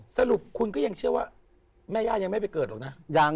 สรุปคุณก็ยังเชื่อว่าแม่ย่ายังไม่ไปเกิดหรอกนะ